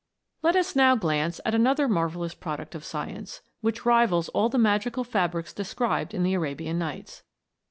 Let us now glance at another marvellous product of science, which rivals all the magical fabrics described in the Arabian Nights.